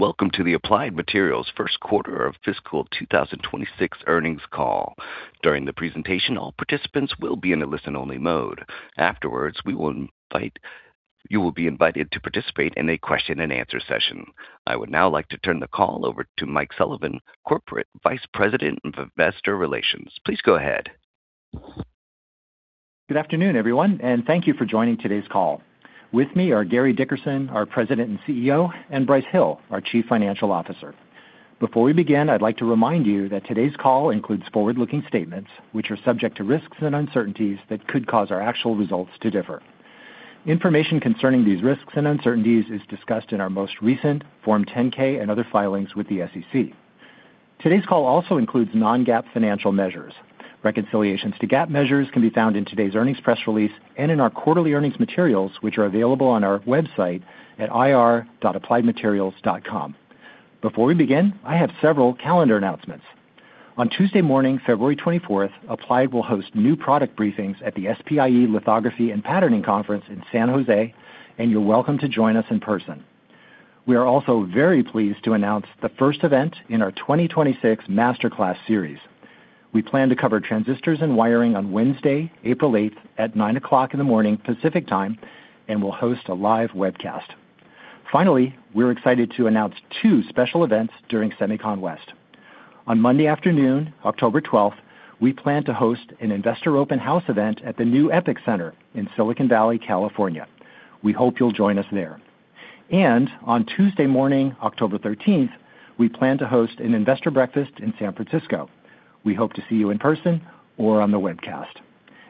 Welcome to the Applied Materials First Quarter of Fiscal 2026 Earnings Call. During the presentation, all participants will be in a listen-only mode. Afterwards, we will invite... You will be invited to participate in a question-and-answer session. I would now like to turn the call over to Mike Sullivan, Corporate Vice President of Investor Relations. Please go ahead. Good afternoon, everyone, and thank you for joining today's call. With me are Gary Dickerson, our President and CEO, and Brice Hill, our Chief Financial Officer. Before we begin, I'd like to remind you that today's call includes forward-looking statements, which are subject to risks and uncertainties that could cause our actual results to differ. Information concerning these risks and uncertainties is discussed in our most recent Form 10-K and other filings with the SEC. Today's call also includes non-GAAP financial measures. Reconciliations to GAAP measures can be found in today's earnings press release and in our quarterly earnings materials, which are available on our website at ir.appliedmaterials.com. Before we begin, I have several calendar announcements. On Tuesday morning, February 24th, Applied will host new product briefings at the SPIE Lithography + Patterning Conference in San Jose, and you're welcome to join us in person. We are also very pleased to announce the first event in our 2026 Master Class series. We plan to cover transistors and wiring on Wednesday, April 8th, at 9:00 A.M. Pacific Time, and we'll host a live webcast. Finally, we're excited to announce two special events during SEMICON West. On Monday afternoon, October 12th, we plan to host an investor open house event at the new EPIC Center in Silicon Valley, California. We hope you'll join us there. And on Tuesday morning, October 13th, we plan to host an investor breakfast in San Francisco. We hope to see you in person or on the webcast.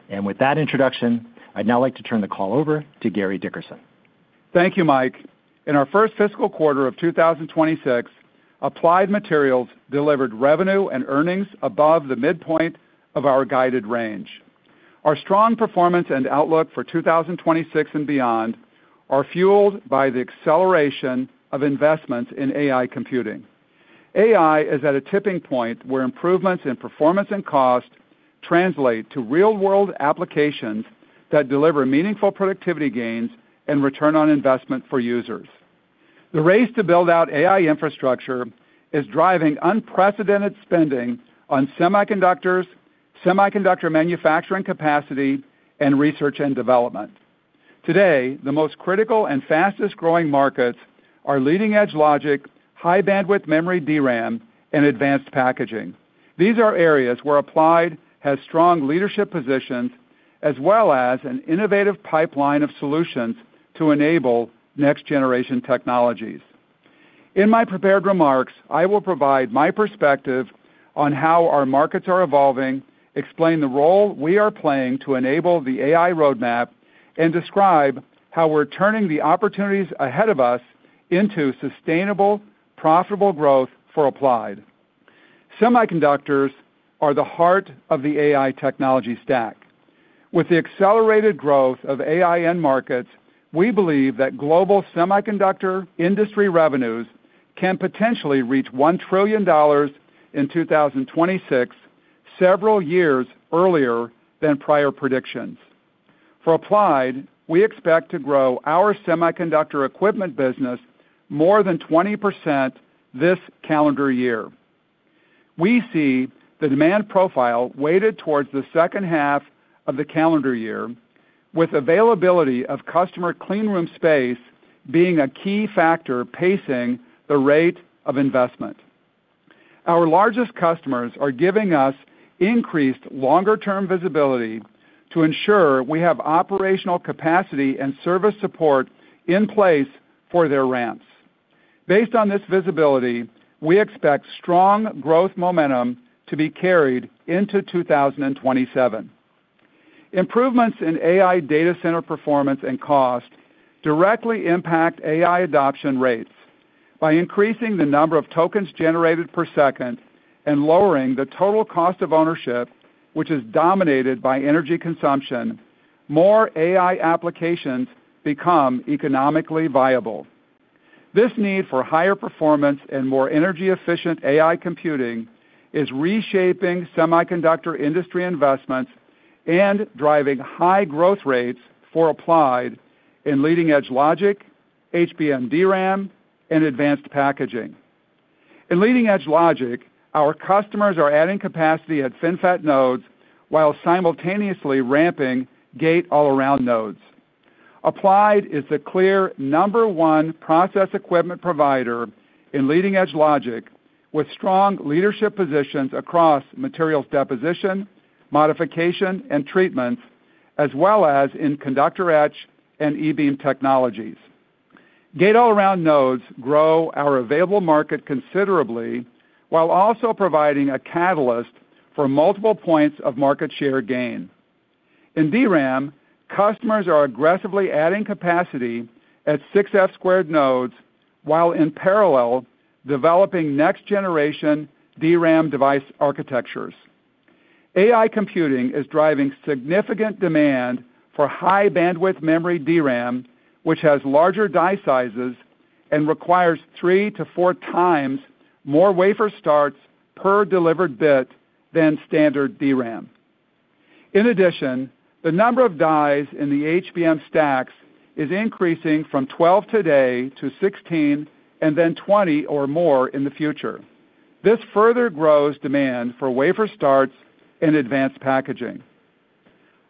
And with that introduction, I'd now like to turn the call over to Gary Dickerson. Thank you, Mike. In our first fiscal quarter of 2026, Applied Materials delivered revenue and earnings above the midpoint of our guided range. Our strong performance and outlook for 2026 and beyond are fueled by the acceleration of investments in AI computing. AI is at a tipping point where improvements in performance and cost translate to real-world applications that deliver meaningful productivity gains and return on investment for users. The race to build out AI infrastructure is driving unprecedented spending on semiconductors, semiconductor manufacturing capacity, and research and development. Today, the most critical and fastest-growing markets are leading-edge logic, high-bandwidth memory DRAM, and advanced packaging. These are areas where Applied has strong leadership positions, as well as an innovative pipeline of solutions to enable next-generation technologies. In my prepared remarks, I will provide my perspective on how our markets are evolving, explain the role we are playing to enable the AI roadmap, and describe how we're turning the opportunities ahead of us into sustainable, profitable growth for Applied. Semiconductors are the heart of the AI technology stack. With the accelerated growth of AI end markets, we believe that global semiconductor industry revenues can potentially reach $1 trillion in 2026, several years earlier than prior predictions. For Applied, we expect to grow our semiconductor equipment business more than 20% this calendar year. We see the demand profile weighted towards the second half of the calendar year, with availability of customer clean room space being a key factor pacing the rate of investment. Our largest customers are giving us increased longer-term visibility to ensure we have operational capacity and service support in place for their ramps. Based on this visibility, we expect strong growth momentum to be carried into 2027. Improvements in AI data center performance and cost directly impact AI adoption rates. By increasing the number of tokens generated per second and lowering the total cost of ownership, which is dominated by energy consumption, more AI applications become economically viable. This need for higher performance and more energy-efficient AI computing is reshaping semiconductor industry investments and driving high growth rates for Applied in leading-edge logic, HBM DRAM, and advanced packaging. In leading-edge logic, our customers are adding capacity at FinFET nodes while simultaneously ramping gate-all-around nodes. Applied is the clear number one process equipment provider in leading-edge logic, with strong leadership positions across materials deposition, modification, and treatments, as well as in conductor etch and e-beam technologies. Gate-all-around nodes grow our available market considerably, while also providing a catalyst for multiple points of market share gain. In DRAM, customers are aggressively adding capacity at 6F² nodes, while in parallel, developing next-generation DRAM device architectures. AI computing is driving significant demand for high-bandwidth memory DRAM, which has larger die sizes and requires 3x-4x more wafer starts per delivered bit than standard DRAM... In addition, the number of dies in the HBM stacks is increasing from 12 today to 16, and then 20 or more in the future. This further grows demand for wafer starts and advanced packaging.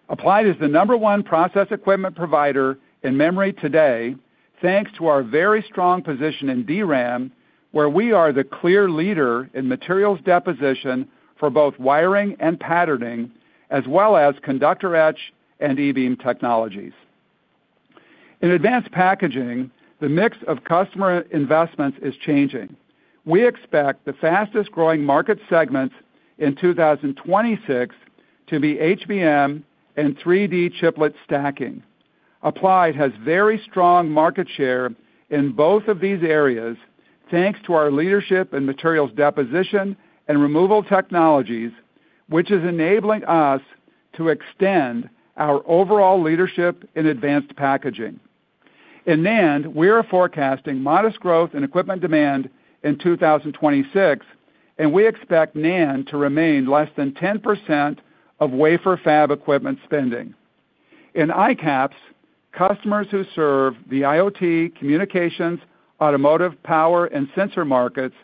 Applied is the number one process equipment provider in memory today, thanks to our very strong position in DRAM, where we are the clear leader in materials deposition for both wiring and patterning, as well as conductor etch and e-beam technologies. In advanced packaging, the mix of customer investments is changing. We expect the fastest-growing market segments in 2026 to be HBM and 3D chiplet stacking. Applied has very strong market share in both of these areas, thanks to our leadership in materials deposition and removal technologies, which is enabling us to extend our overall leadership in advanced packaging. In NAND, we are forecasting modest growth in equipment demand in 2026, and we expect NAND to remain less than 10% of wafer fab equipment spending. In ICAPS, customers who serve the IoT, communications, automotive, power, and sensor markets,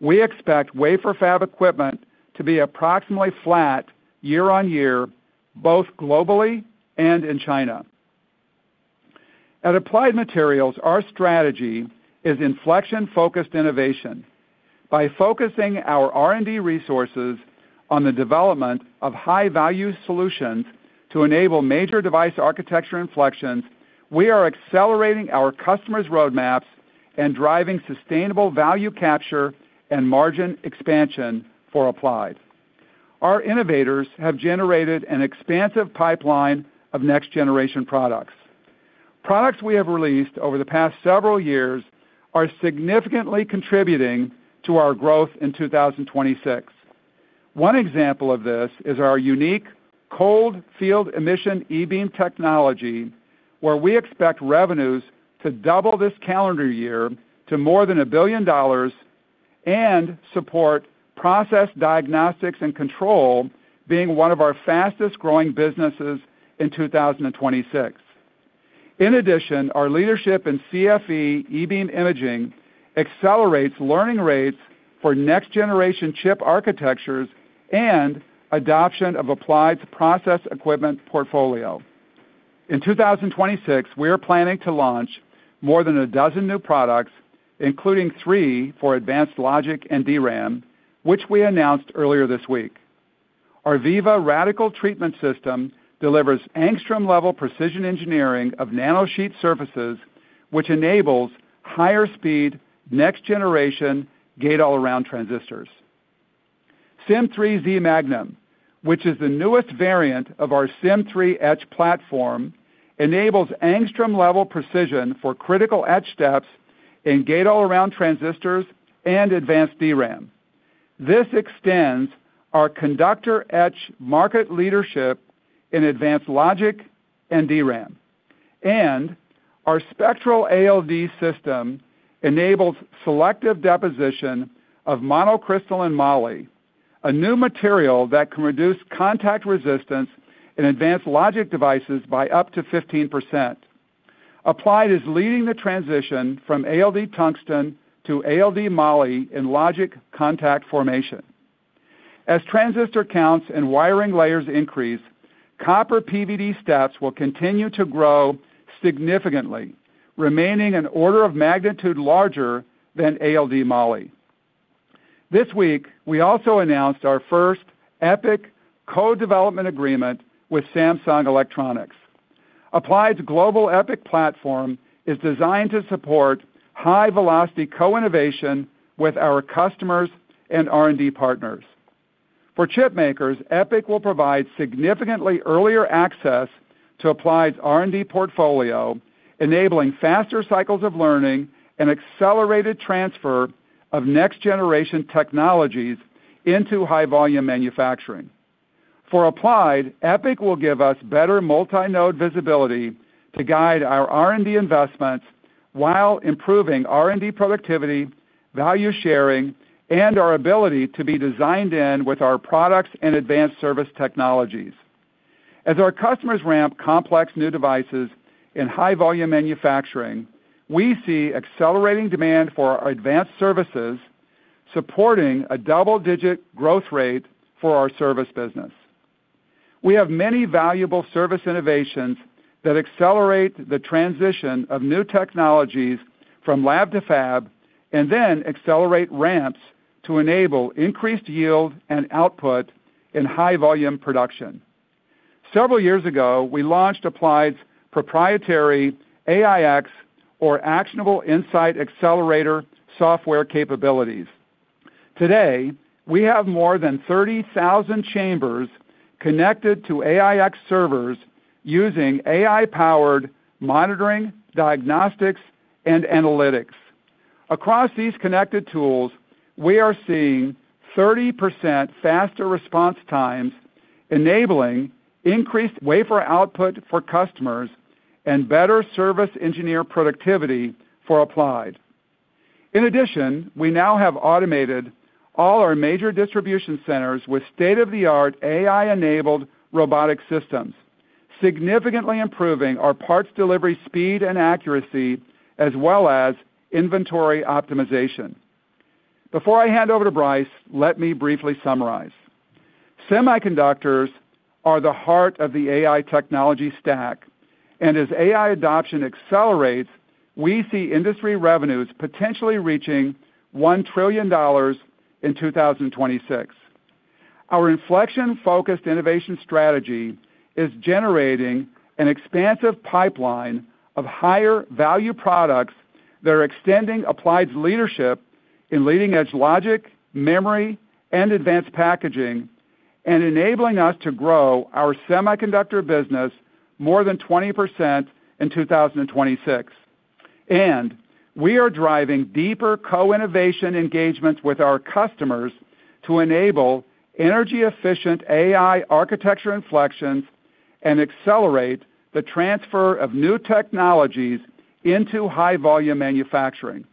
we expect wafer fab equipment to be approximately flat year-on-year, both globally and in China. At Applied Materials, our strategy is inflection-focused innovation. By focusing our R&D resources on the development of high-value solutions to enable major device architecture inflections, we are accelerating our customers' roadmaps and driving sustainable value capture and margin expansion for Applied. Our innovators have generated an expansive pipeline of next-generation products. Products we have released over the past several years are significantly contributing to our growth in 2026. One example of this is our unique cold field emission eBeam technology, where we expect revenues to double this calendar year to more than $1 billion and support Process Diagnostics and Control, being one of our fastest-growing businesses in 2026. In addition, our leadership in CFE eBeam imaging accelerates learning rates for next-generation chip architectures and adoption of Applied's process equipment portfolio. In 2026, we are planning to launch more than a dozen new products, including three for advanced logic and DRAM, which we announced earlier this week. Our Viva radical treatment system delivers angstrom-level precision engineering of nanosheet surfaces, which enables higher speed, next-generation gate-all-around transistors. Sym3 Z Magnum, which is the newest variant of our Sym3 etch platform, enables angstrom-level precision for critical etch steps in gate-all-around transistors and advanced DRAM. This extends our conductor etch market leadership in advanced logic and DRAM. And our Spectral ALD system enables selective deposition of monocrystalline moly, a new material that can reduce contact resistance in advanced logic devices by up to 15%. Applied is leading the transition from ALD tungsten to ALD moly in logic contact formation. As transistor counts and wiring layers increase, copper PVD steps will continue to grow significantly, remaining an order of magnitude larger than ALD moly. This week, we also announced our first EPIC co-development agreement with Samsung Electronics. Applied's global EPIC platform is designed to support high-velocity co-innovation with our customers and R&D partners. For chipmakers, EPIC will provide significantly earlier access to Applied's R&D portfolio, enabling faster cycles of learning and accelerated transfer of next-generation technologies into high-volume manufacturing. For Applied, EPIC will give us better multi-node visibility to guide our R&D investments while improving R&D productivity, value sharing, and our ability to be designed in with our products and advanced service technologies. As our customers ramp complex new devices in high-volume manufacturing, we see accelerating demand for our advanced services, supporting a double-digit growth rate for our service business. We have many valuable service innovations that accelerate the transition of new technologies from lab to fab, and then accelerate ramps to enable increased yield and output in high-volume production. Several years ago, we launched Applied's proprietary AIx, or Actionable Insight Accelerator, software capabilities. Today, we have more than 30,000 chambers connected to AIx servers using AI-powered monitoring, diagnostics, and analytics. Across these connected tools, we are seeing 30% faster response times, enabling increased wafer output for customers and better service engineer productivity for Applied.... In addition, we now have automated all our major distribution centers with state-of-the-art AI-enabled robotic systems, significantly improving our parts delivery speed and accuracy, as well as inventory optimization. Before I hand over to Brice, let me briefly summarize. Semiconductors are the heart of the AI technology stack, and as AI adoption accelerates, we see industry revenues potentially reaching $1 trillion in 2026. Our inflection-focused innovation strategy is generating an expansive pipeline of higher value products that are extending Applied's leadership in leading-edge logic, memory, and advanced packaging, and enabling us to grow our semiconductor business more than 20% in 2026. We are driving deeper co-innovation engagements with our customers to enable energy-efficient AI architecture inflections and accelerate the transfer of new technologies into high-volume manufacturing.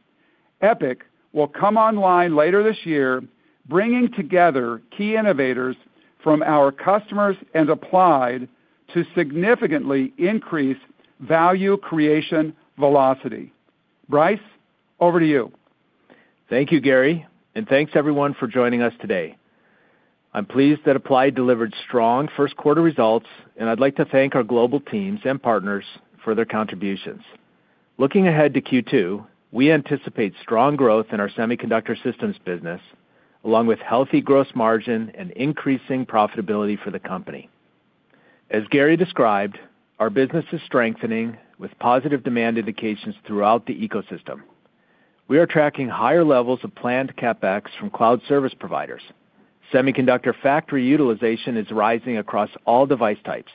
EPIC will come online later this year, bringing together key innovators from our customers and Applied to significantly increase value creation velocity. Brice, over to you. Thank you, Gary, and thanks everyone for joining us today. I'm pleased that Applied delivered strong first quarter results, and I'd like to thank our global teams and partners for their contributions. Looking ahead to Q2, we anticipate strong growth in our Semiconductor Systems business, along with healthy gross margin and increasing profitability for the company. As Gary described, our business is strengthening, with positive demand indications throughout the ecosystem. We are tracking higher levels of planned CapEx from cloud service providers. Semiconductor factory utilization is rising across all device types.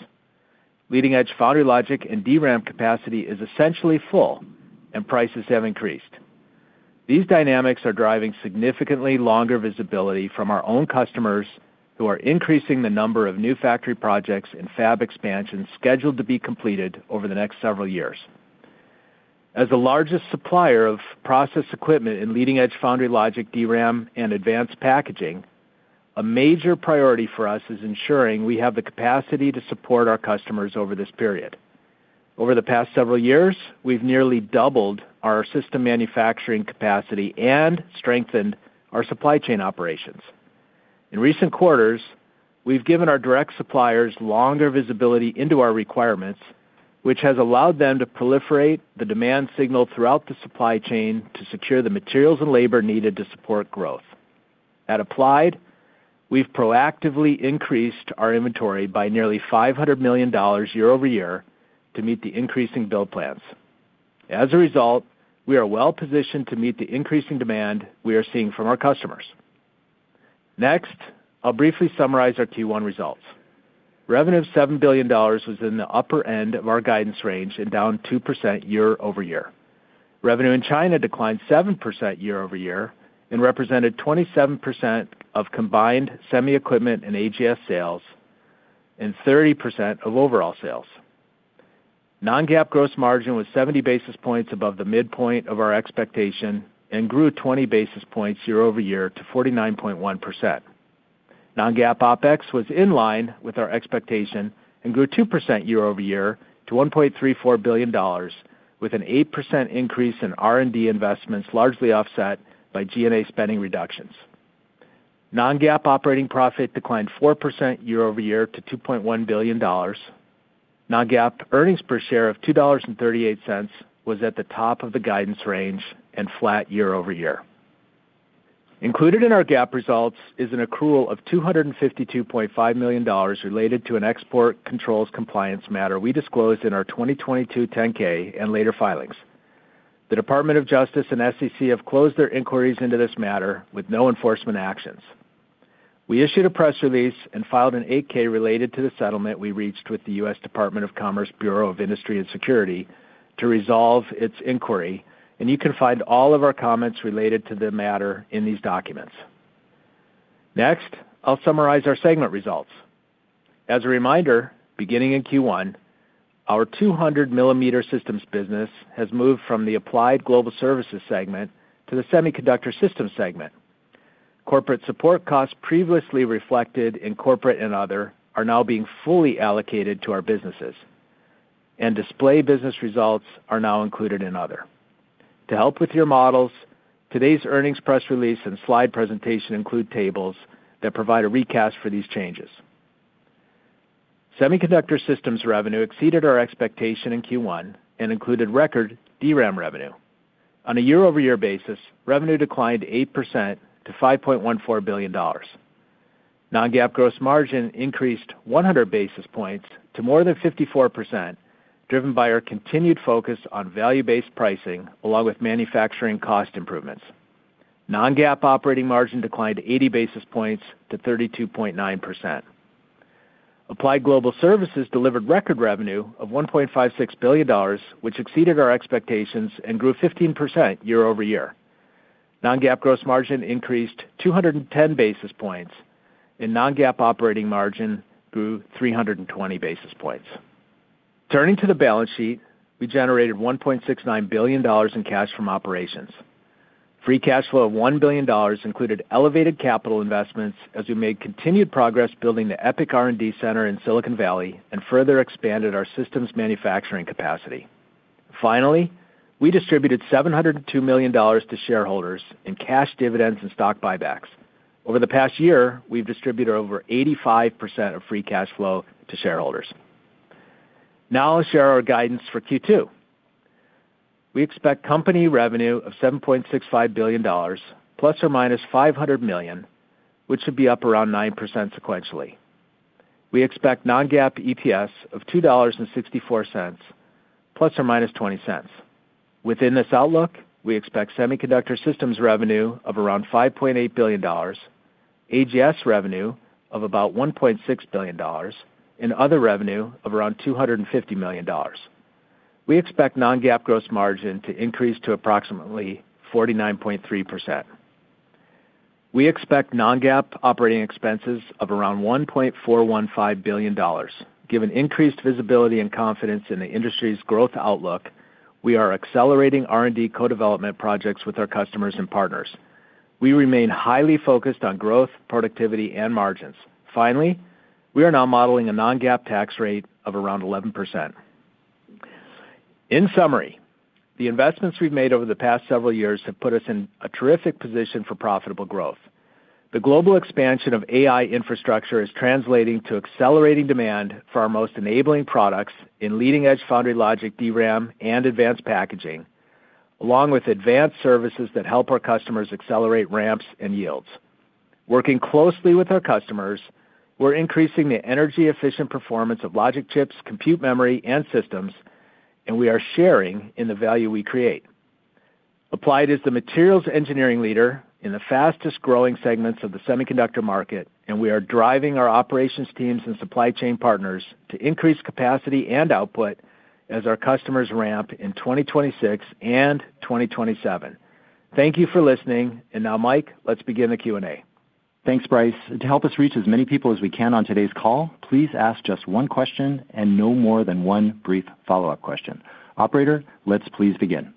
Leading-edge foundry logic and DRAM capacity is essentially full, and prices have increased. These dynamics are driving significantly longer visibility from our own customers, who are increasing the number of new factory projects and fab expansions scheduled to be completed over the next several years. As the largest supplier of process equipment in leading-edge foundry logic, DRAM, and advanced packaging, a major priority for us is ensuring we have the capacity to support our customers over this period. Over the past several years, we've nearly doubled our system manufacturing capacity and strengthened our supply chain operations. In recent quarters, we've given our direct suppliers longer visibility into our requirements, which has allowed them to proliferate the demand signal throughout the supply chain to secure the materials and labor needed to support growth. At Applied, we've proactively increased our inventory by nearly $500 million year-over-year to meet the increasing build plans. As a result, we are well positioned to meet the increasing demand we are seeing from our customers. Next, I'll briefly summarize our Q1 results. Revenue of $7 billion was in the upper end of our guidance range and down 2% year-over-year. Revenue in China declined 7% year-over-year and represented 27% of combined Semi Equipment and AGS sales, and 30% of overall sales. Non-GAAP gross margin was 70 basis points above the midpoint of our expectation and grew 20 basis points year-over-year to 49.1%. Non-GAAP OpEx was in line with our expectation and grew 2% year-over-year to $1.34 billion, with an 8% increase in R&D investments, largely offset by G&A spending reductions. Non-GAAP operating profit declined 4% year-over-year to $2.1 billion. Non-GAAP earnings per share of $2.38 was at the top of the guidance range and flat year-over-year. Included in our GAAP results is an accrual of $252.5 million related to an export controls compliance matter we disclosed in our 2022 10-K and later filings. The Department of Justice and SEC have closed their inquiries into this matter with no enforcement actions. We issued a press release and filed an 8-K related to the settlement we reached with the US Department of Commerce, Bureau of Industry and Security, to resolve its inquiry, and you can find all of our comments related to the matter in these documents. Next, I'll summarize our segment results. As a reminder, beginning in Q1, our 200 mm systems business has moved from the Applied Global Services segment to the Semiconductor Systems segment. Corporate support costs previously reflected in corporate and other are now being fully allocated to our businesses, and display business results are now included in other. To help with your models, today's earnings press release and slide presentation include tables that provide a recast for these changes. Semiconductor Systems revenue exceeded our expectation in Q1 and included record DRAM revenue. On a year-over-year basis, revenue declined 8% to $5.14 billion. Non-GAAP gross margin increased 100 basis points to more than 54%, driven by our continued focus on value-based pricing along with manufacturing cost improvements. Non-GAAP operating margin declined 80 basis points to 32.9%. Applied Global Services delivered record revenue of $1.56 billion, which exceeded our expectations and grew 15% year-over-year. Non-GAAP gross margin increased 210 basis points, and non-GAAP operating margin grew 320 basis points. Turning to the balance sheet, we generated $1.69 billion in cash from operations. Free cash flow of $1 billion included elevated capital investments as we made continued progress building the EPIC R&D center in Silicon Valley and further expanded our systems manufacturing capacity. Finally, we distributed $702 million to shareholders in cash dividends and stock buybacks. Over the past year, we've distributed over 85% of free cash flow to shareholders. Now I'll share our guidance for Q2. We expect company revenue of $7.65 billion ±$500 million, which should be up around 9% sequentially. We expect non-GAAP EPS of $2.64 ±$0.20. Within this outlook, we expect Semiconductor Systems revenue of around $5.8 billion, AGS revenue of about $1.6 billion, and other revenue of around $250 million. We expect non-GAAP gross margin to increase to approximately 49.3%. We expect non-GAAP operating expenses of around $1.415 billion. Given increased visibility and confidence in the industry's growth outlook, we are accelerating R&D co-development projects with our customers and partners. We remain highly focused on growth, productivity, and margins. Finally, we are now modeling a non-GAAP tax rate of around 11%. In summary, the investments we've made over the past several years have put us in a terrific position for profitable growth. The global expansion of AI infrastructure is translating to accelerating demand for our most enabling products in leading-edge foundry logic, DRAM, and advanced packaging, along with advanced services that help our customers accelerate ramps and yields. Working closely with our customers, we're increasing the energy-efficient performance of logic chips, compute memory, and systems, and we are sharing in the value we create. Applied is the materials engineering leader in the fastest-growing segments of the semiconductor market, and we are driving our operations teams and supply chain partners to increase capacity and output as our customers ramp in 2026 and 2027. Thank you for listening. Now, Mike, let's begin the Q&A. Thanks, Brice. To help us reach as many people as we can on today's call, please ask just one question and no more than one brief follow-up question. Operator, let's please begin.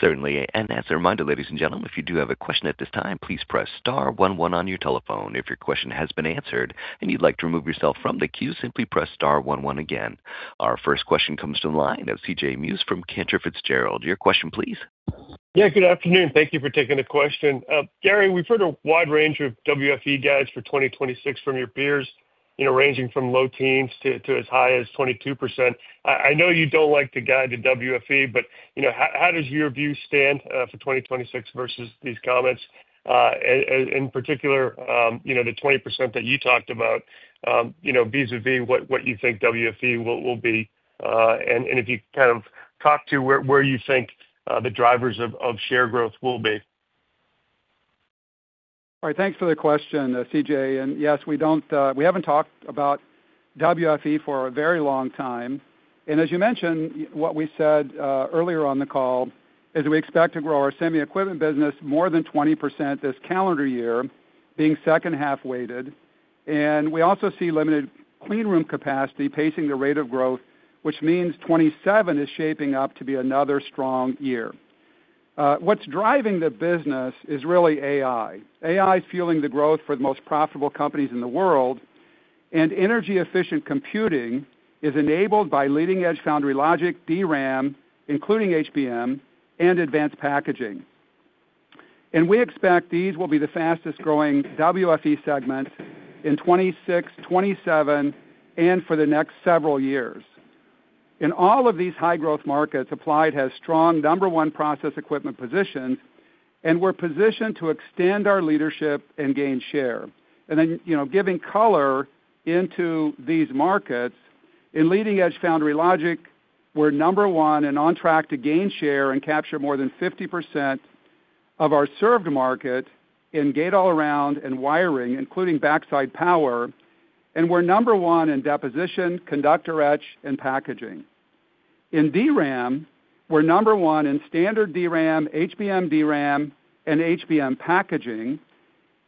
Certainly, and as a reminder, ladies and gentlemen, if you do have a question at this time, please press star one one on your telephone. If your question has been answered and you'd like to remove yourself from the queue, simply press star one one again. Our first question comes from the line of CJ Muse from Cantor Fitzgerald. Your question, please. Yeah, good afternoon. Thank you for taking the question. Gary, we've heard a wide range of WFE guides for 2026 from your peers, you know, ranging from low teens to as high as 22%. I know you don't like to guide to WFE, but, you know, how does your view stand for 2026 versus these comments? In particular, you know, the 20% that you talked about, you know, vis-a-vis what you think WFE will be, and if you kind of talk to where you think the drivers of share growth will be. All right, thanks for the question, CJ, and yes, we don't. We haven't talked about WFE for a very long time. And as you mentioned, what we said earlier on the call is we expect to grow our semi equipment business more than 20% this calendar year, being second half weighted. And we also see limited clean room capacity pacing the rate of growth, which means 2027 is shaping up to be another strong year. What's driving the business is really AI. AI is fueling the growth for the most profitable companies in the world, and energy-efficient computing is enabled by leading-edge foundry logic, DRAM, including HBM and advanced packaging. And we expect these will be the fastest-growing WFE segments in 2026, 2027, and for the next several years. In all of these high-growth markets, Applied has strong number one process equipment positions, and we're positioned to extend our leadership and gain share. Then, you know, giving color into these markets, in leading-edge foundry logic, we're number one and on track to gain share and capture more than 50% of our served market in gate-all-around and wiring, including backside power, and we're number one in deposition, conductor etch, and packaging. In DRAM, we're number one in standard DRAM, HBM DRAM, and HBM packaging,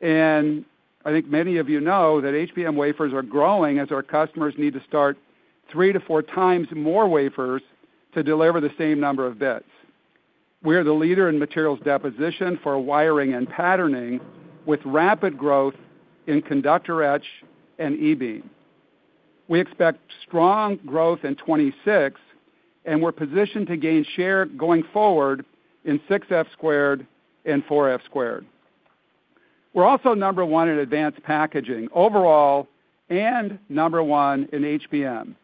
and I think many of you know that HBM wafers are growing as our customers need to start 3x-4x more wafers to deliver the same number of bits. We are the leader in materials deposition for wiring and patterning, with rapid growth in conductor etch and e-beam. We expect strong growth in 2026, and we're positioned to gain share going forward in 6F² and 4F². We're also number one in advanced packaging overall and number one in HBM.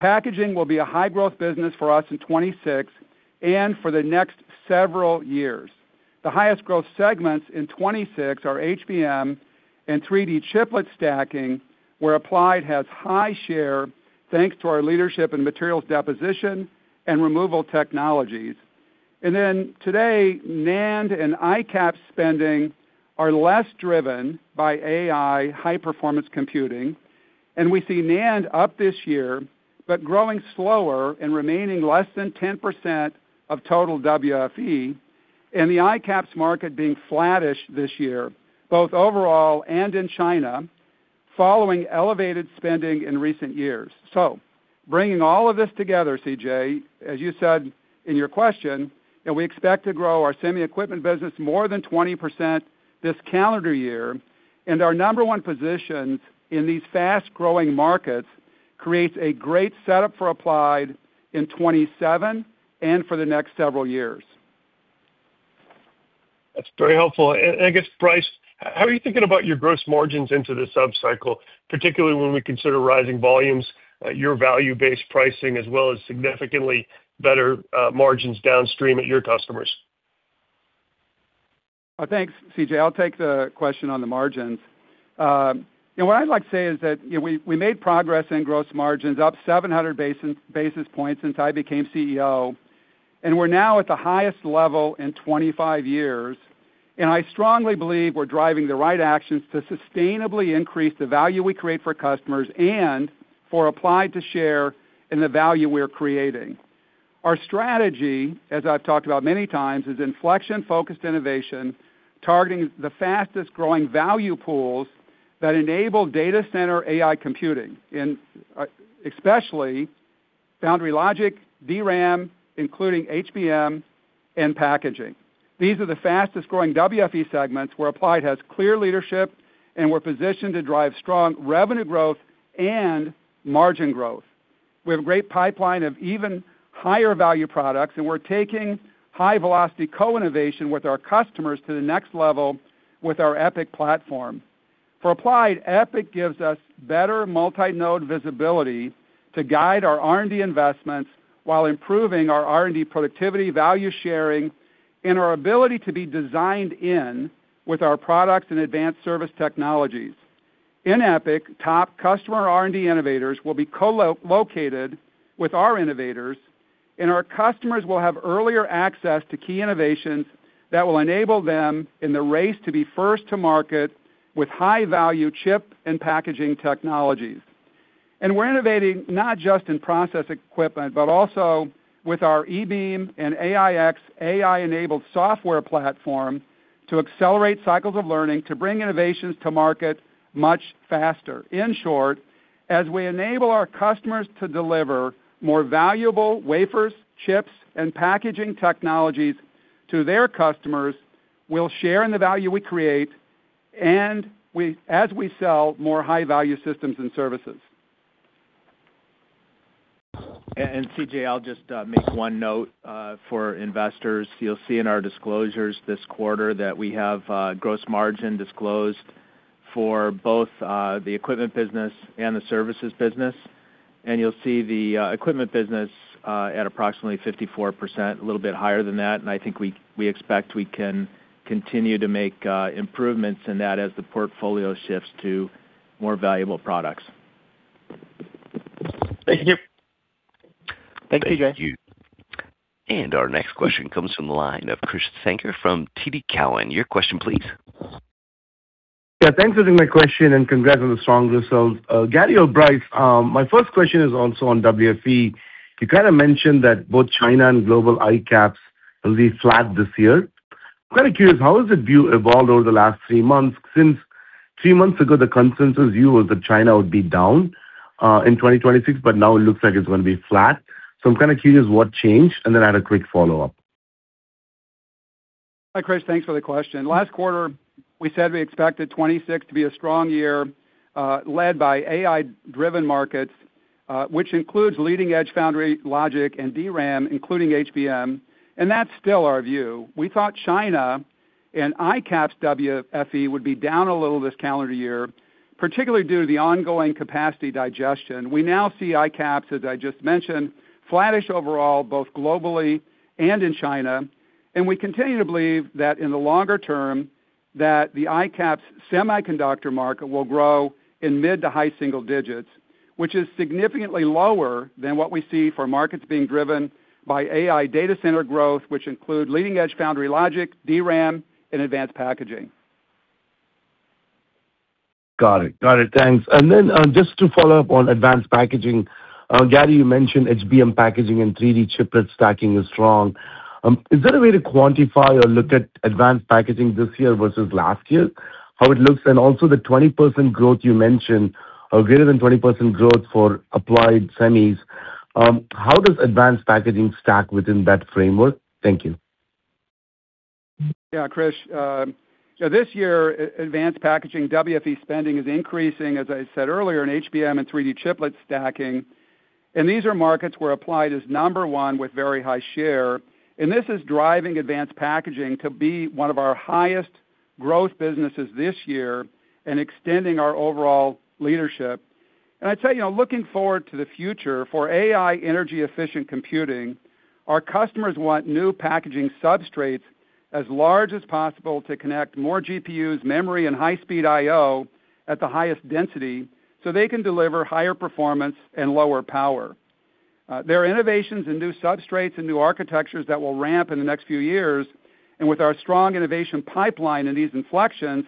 Packaging will be a high-growth business for us in 2026 and for the next several years. The highest growth segments in 2026 are HBM and 3D chiplet stacking, where Applied has high share, thanks to our leadership in materials deposition and removal technologies. And then, today, NAND and ICAPS spending are less driven by AI high-performance computing, and we see NAND up this year, but growing slower and remaining less than 10% of total WFE... and the ICAPS market being flattish this year, both overall and in China, following elevated spending in recent years. Bringing all of this together, CJ, as you said in your question, that we expect to grow our semi equipment business more than 20% this calendar year, and our number one position in these fast-growing markets creates a great setup for Applied in 2027 and for the next several years. That's very helpful. And, and I guess, Brice, how are you thinking about your gross margins into this sub-cycle, particularly when we consider rising volumes, your value-based pricing, as well as significantly better, margins downstream at your customers? Well, thanks, CJ. I'll take the question on the margins. You know, what I'd like to say is that, you know, we made progress in gross margins, up 700 basis points since I became CEO, and we're now at the highest level in 25 years. And I strongly believe we're driving the right actions to sustainably increase the value we create for customers and for Applied to share in the value we are creating. Our strategy, as I've talked about many times, is inflection-focused innovation, targeting the fastest-growing value pools that enable data center AI computing, in, especially foundry logic, DRAM, including HBM and packaging. These are the fastest growing WFE segments, where Applied has clear leadership, and we're positioned to drive strong revenue growth and margin growth. We have a great pipeline of even higher-value products, and we're taking high-velocity co-innovation with our customers to the next level with our EPIC platform. For Applied, EPIC gives us better multi-node visibility to guide our R&D investments while improving our R&D productivity, value sharing, and our ability to be designed in with our products and advanced service technologies. In EPIC, top customer R&D innovators will be co-located with our innovators, and our customers will have earlier access to key innovations that will enable them in the race to be first to market with high-value chip and packaging technologies. And we're innovating not just in process equipment, but also with our eBeam and AIx AI-enabled software platform to accelerate cycles of learning, to bring innovations to market much faster. In short, as we enable our customers to deliver more valuable wafers, chips, and packaging technologies to their customers, we'll share in the value we create, as we sell more high-value systems and services. CJ, I'll just make one note for investors. You'll see in our disclosures this quarter that we have gross margin disclosed for both the equipment business and the services business. And you'll see the equipment business at approximately 54%, a little bit higher than that, and I think we expect we can continue to make improvements in that as the portfolio shifts to more valuable products. Thank you. Thanks, CJ. Thank you. And our next question comes from the line of Krish Sankar from TD Cowen. Your question, please. Yeah, thanks for taking my question, and congrats on the strong results. Gary or Brice, my first question is also on WFE. You kind of mentioned that both China and global ICAPS will be flat this year. I'm kind of curious, how has the view evolved over the last three months? Since three months ago, the consensus view was that China would be down in 2026, but now it looks like it's gonna be flat. So I'm kind of curious what changed, and then I had a quick follow-up. Hi, Krish. Thanks for the question. Last quarter, we said we expected 2026 to be a strong year, led by AI-driven markets, which includes leading-edge foundry logic and DRAM, including HBM, and that's still our view. We thought China and ICAPS WFE would be down a little this calendar year, particularly due to the ongoing capacity digestion. We now see ICAPS, as I just mentioned, flattish overall, both globally and in China. And we continue to believe that in the longer term, that the ICAPS semiconductor market will grow in mid- to high-single digits, which is significantly lower than what we see for markets being driven by AI data center growth, which include leading-edge foundry logic, DRAM, and advanced packaging. Got it. Got it. Thanks. And then, just to follow up on advanced packaging, Gary, you mentioned HBM packaging and 3D chiplet stacking is strong. Is there a way to quantify or look at advanced packaging this year versus last year, how it looks? And also, the 20% growth you mentioned, or greater than 20% growth for Applied Semis, how does advanced packaging stack within that framework? Thank you. Yeah, Krish, so this year, advanced packaging WFE spending is increasing, as I said earlier, in HBM and 3D chiplet stacking, and these are markets where Applied is number one with very high share. And I'd say, you know, looking forward to the future, for AI energy-efficient computing, our customers want new packaging substrates as large as possible to connect more GPUs, memory, and high-speed IO at the highest density so they can deliver higher performance and lower power. There are innovations in new substrates and new architectures that will ramp in the next few years, and with our strong innovation pipeline in these inflections-...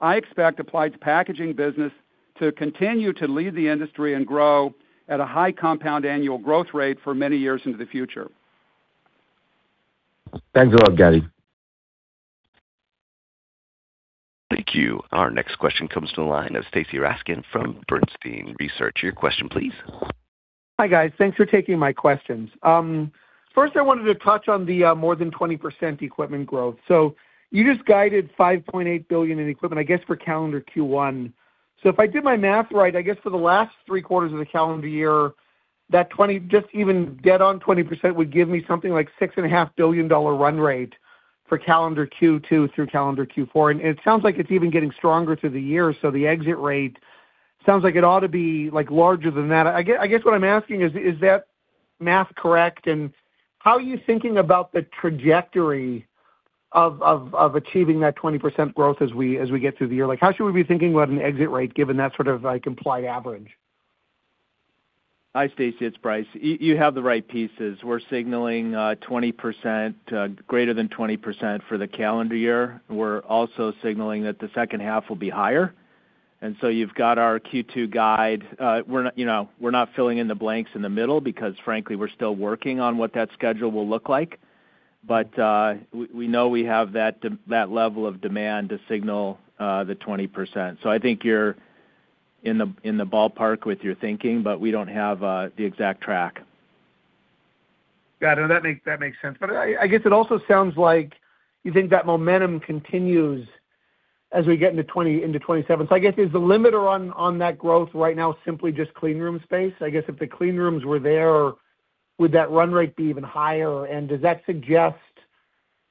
I expect Applied's packaging business to continue to lead the industry and grow at a high compound annual growth rate for many years into the future. Thanks a lot, Gary. Thank you. Our next question comes from the line of Stacy Rasgon from Bernstein Research. Your question, please. Hi, guys. Thanks for taking my questions. First, I wanted to touch on the more than 20% equipment growth. So you just guided $5.8 billion in equipment, I guess, for calendar Q1. So if I did my math right, I guess for the last three quarters of the calendar year, that 20%, just even dead on 20% would give me something like $6.5 billion run rate for calendar Q2 through calendar Q4. And it sounds like it's even getting stronger through the year, so the exit rate sounds like it ought to be, like, larger than that. I guess what I'm asking is, is that math correct? And how are you thinking about the trajectory of achieving that 20% growth as we get through the year? Like, how should we be thinking about an exit rate, given that sort of, like, implied average? Hi, Stacy, it's Brice. You have the right pieces. We're signaling, 20%, greater than 20% for the calendar year. We're also signaling that the second half will be higher, and so you've got our Q2 guide. We're not, you know, we're not filling in the blanks in the middle because, frankly, we're still working on what that schedule will look like. But, we know we have that that level of demand to signal, the 20%. So I think you're in the, in the ballpark with your thinking, but we don't have, the exact track. Got it. That makes sense. But I guess it also sounds like you think that momentum continues as we get into 2027. So I guess, is the limiter on that growth right now simply just clean room space? I guess if the clean rooms were there, would that run rate be even higher? And does that suggest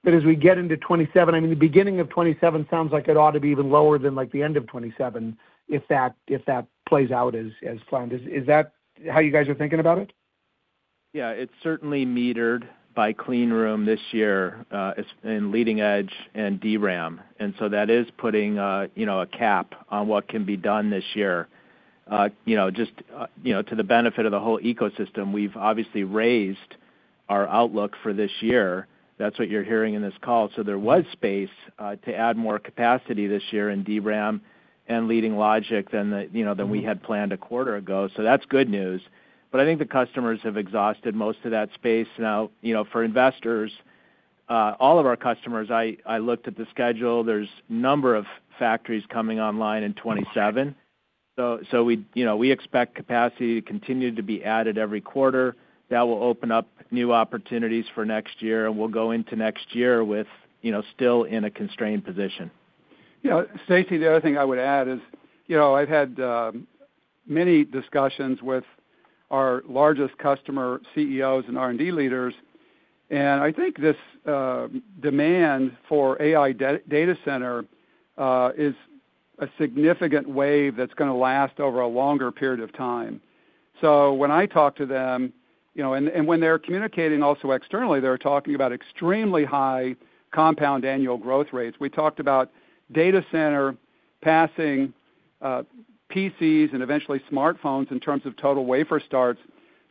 that as we get into 2027 - I mean, the beginning of 2027 sounds like it ought to be even lower than, like, the end of 2027, if that plays out as planned. Is that how you guys are thinking about it? Yeah, it's certainly metered by clean room this year, in leading edge and DRAM. And so that is putting a, you know, a cap on what can be done this year. You know, just, you know, to the benefit of the whole ecosystem, we've obviously raised our outlook for this year. That's what you're hearing in this call. So there was space, to add more capacity this year in DRAM and leading logic than the, you know, than we had planned a quarter ago. So that's good news. But I think the customers have exhausted most of that space now. You know, for investors, all of our customers, I, I looked at the schedule, there's number of factories coming online in 2027, so, so we, you know, we expect capacity to continue to be added every quarter. That will open up new opportunities for next year, and we'll go into next year with, you know, still in a constrained position. You know, Stacy, the other thing I would add is, you know, I've had many discussions with our largest customer, CEOs and R&D leaders, and I think this demand for AI data center is a significant wave that's gonna last over a longer period of time. So when I talk to them, you know, and when they're communicating also externally, they're talking about extremely high compound annual growth rates. We talked about data center passing PCs and eventually smartphones in terms of total wafer starts.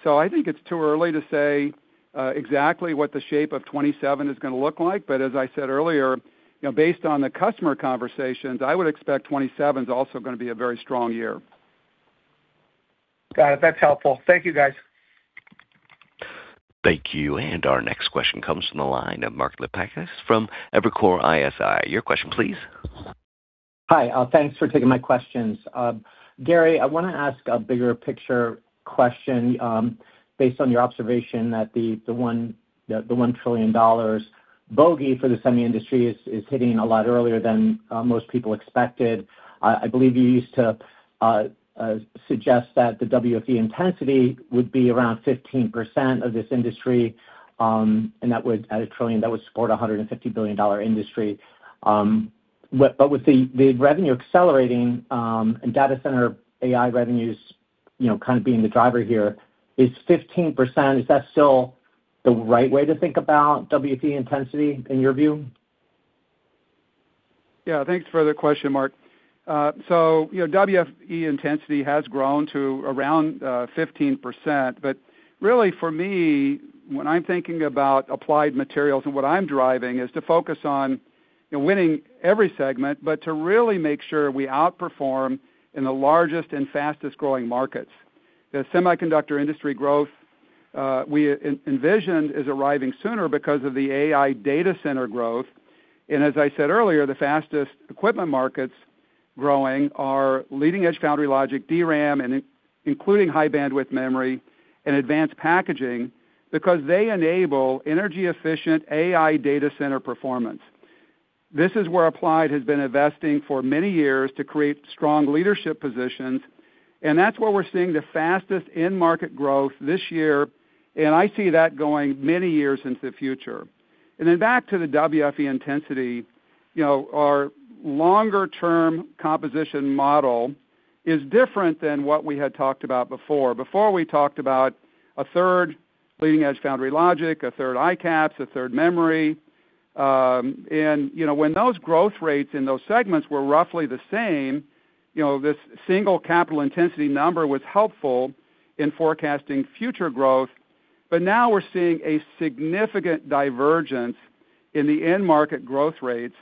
So I think it's too early to say exactly what the shape of 2027 is gonna look like. But as I said earlier, you know, based on the customer conversations, I would expect 2027 is also gonna be a very strong year. Got it. That's helpful. Thank you, guys. Thank you. Our next question comes from the line of Mark Lipacis from Evercore ISI. Your question, please. Hi, thanks for taking my questions. Gary, I want to ask a bigger picture question, based on your observation that the $1 trillion bogey for the semi industry is hitting a lot earlier than most people expected. I believe you used to suggest that the WFE intensity would be around 15% of this industry, and that would, at $1 trillion, that would support a $150 billion industry. But with the revenue accelerating, and data center AI revenues, you know, kind of being the driver here, is 15%, is that still the right way to think about WFE intensity in your view? Yeah, thanks for the question, Mark. So, you know, WFE intensity has grown to around 15%, but really, for me, when I'm thinking about Applied Materials and what I'm driving is to focus on, you know, winning every segment, but to really make sure we outperform in the largest and fastest growing markets. The semiconductor industry growth we envisioned is arriving sooner because of the AI data center growth. And as I said earlier, the fastest equipment markets growing are leading-edge foundry logic, DRAM, and including high-bandwidth memory and advanced packaging, because they enable energy-efficient AI data center performance. This is where Applied has been investing for many years to create strong leadership positions, and that's where we're seeing the fastest end-market growth this year, and I see that going many years into the future. Then back to the WFE intensity, you know, our longer-term composition model is different than what we had talked about before. Before, we talked about a third leading-edge foundry logic, a third ICAPS, a third memory, and, you know, when those growth rates in those segments were roughly the same, you know, this single capital intensity number was helpful in forecasting future growth. But now we're seeing a significant divergence in the end market growth rates,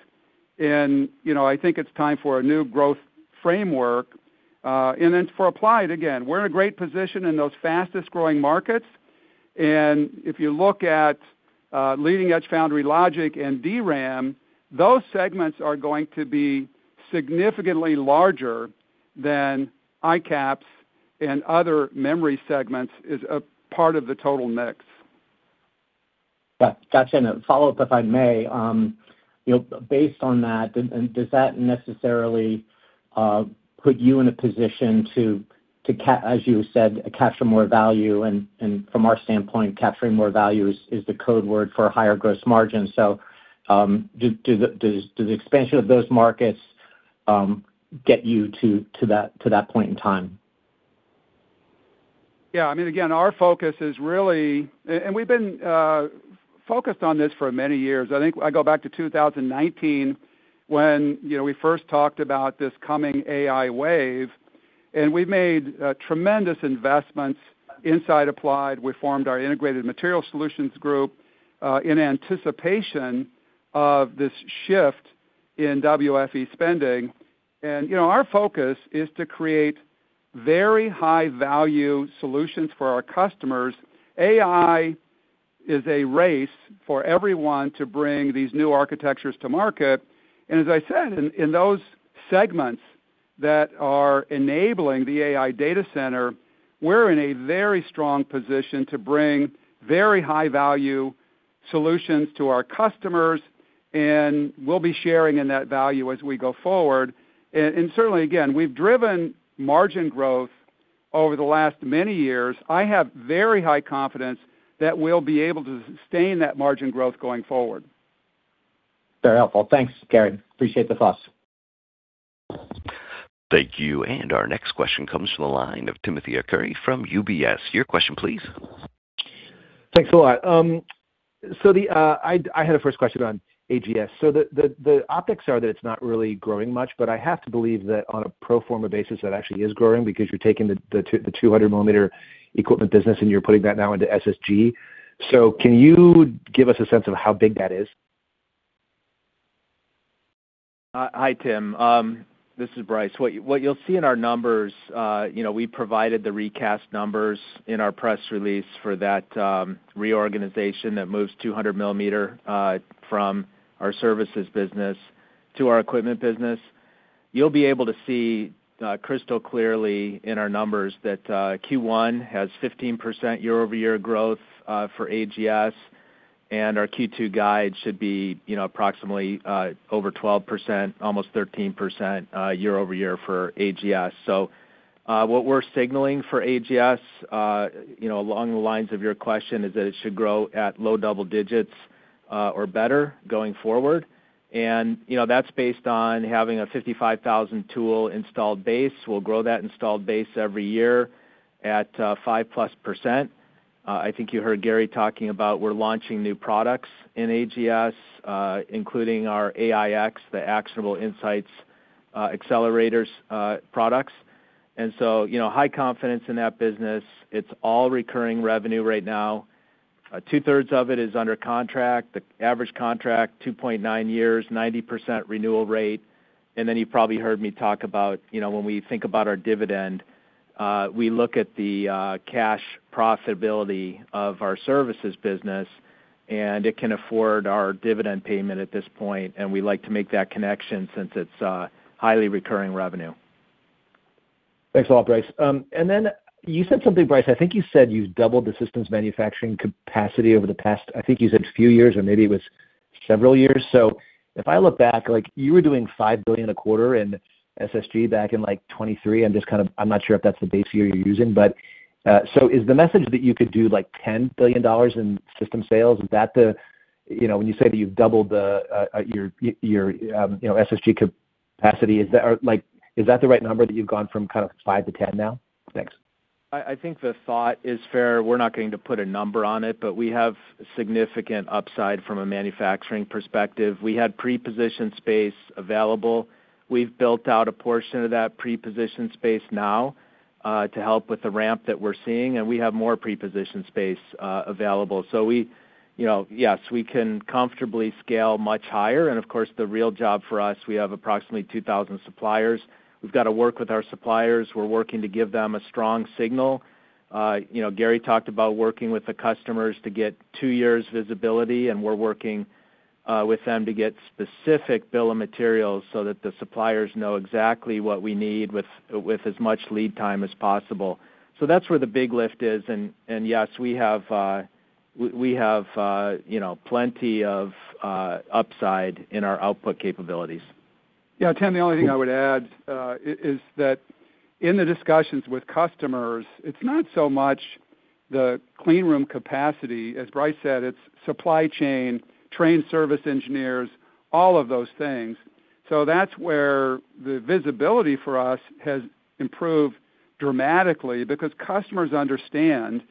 and, you know, I think it's time for a new growth framework, and then for Applied, again, we're in a great position in those fastest-growing markets. And if you look at, leading-edge foundry logic and DRAM, those segments are going to be significantly larger than ICAPS and other memory segments is a part of the total mix. Gotcha. A follow-up, if I may. You know, based on that, does that necessarily put you in a position to, as you said, capture more value, and from our standpoint, capturing more value is the code word for a higher gross margin. So, does the expansion of those markets get you to that point in time? Yeah, I mean, again, our focus is really. And we've been focused on this for many years. I think I go back to 2019 when, you know, we first talked about this coming AI wave, and we've made tremendous investments inside Applied. We formed our Integrated Material Solution group in anticipation of this shift in WFE spending. And, you know, our focus is to create very high-value solutions for our customers. AI is a race for everyone to bring these new architectures to market. And as I said, in those segments that are enabling the AI data center, we're in a very strong position to bring very high-value solutions to our customers, and we'll be sharing in that value as we go forward. And certainly, again, we've driven margin growth over the last many years. I have very high confidence that we'll be able to sustain that margin growth going forward. Very helpful. Thanks, Gary. Appreciate the thoughts. Thank you, and our next question comes from the line of Timothy Arcuri from UBS. Your question, please. Thanks a lot. So the optics are that it's not really growing much, but I have to believe that on a pro forma basis, that actually is growing because you're taking the 200 mm equipment business, and you're putting that now into SSG. So can you give us a sense of how big that is? Hi, Tim. This is Brice. What you'll see in our numbers, you know, we provided the recast numbers in our press release for that reorganization that moves 200 mm from our services business to our equipment business. You'll be able to see crystal clearly in our numbers that Q1 has 15% year-over-year growth for AGS, and our Q2 guide should be, you know, approximately over 12%, almost 13% year-over-year for AGS. So, what we're signaling for AGS, you know, along the lines of your question, is that it should grow at low double digits or better going forward. And, you know, that's based on having a 55,000 tool installed base. We'll grow that installed base every year at 5+%. I think you heard Gary talking about we're launching new products in AGS, including our AIx, the Actionable Insights Accelerators products. And so, you know, high confidence in that business. It's all recurring revenue right now. Two-thirds of it is under contract, the average contract 2.9 years, 90% renewal rate. And then you probably heard me talk about, you know, when we think about our dividend, we look at the cash profitability of our services business, and it can afford our dividend payment at this point, and we like to make that connection since it's highly recurring revenue. Thanks a lot, Brice. And then you said something, Brice. I think you said you've doubled the systems manufacturing capacity over the past... I think you said a few years, or maybe it was several years. So if I look back, like you were doing $5 billion a quarter in SSG back in, like, 2023. I'm just kind of-- I'm not sure if that's the base year you're using, but, so is the message that you could do, like, $10 billion in system sales? Is that the... You know, when you say that you've doubled the your you know SSG capacity, is that, or like, is that the right number, that you've gone from kind of $5 billion to $10 billion now? Thanks. I think the thought is fair. We're not going to put a number on it, but we have significant upside from a manufacturing perspective. We had pre-positioned space available. We've built out a portion of that pre-positioned space now to help with the ramp that we're seeing, and we have more pre-positioned space available. So we, you know, yes, we can comfortably scale much higher. And of course, the real job for us, we have approximately 2,000 suppliers. We've got to work with our suppliers. We're working to give them a strong signal. You know, Gary talked about working with the customers to get two years visibility, and we're working with them to get specific bill of materials so that the suppliers know exactly what we need with as much lead time as possible. So that's where the big lift is. Yes, we have, you know, plenty of upside in our output capabilities. Yeah, Tim, the only thing I would add is that in the discussions with customers, it's not so much the clean room capacity. As Brice said, it's supply chain, trained service engineers, all of those things. So that's where the visibility for us has improved dramatically because customers understand